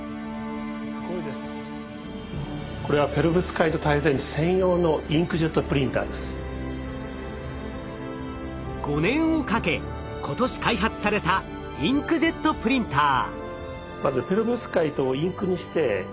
これは５年をかけ今年開発されたインクジェットプリンター。